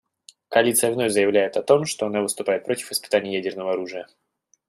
Коалиция вновь заявляет о том, что она выступает против испытаний ядерного оружия.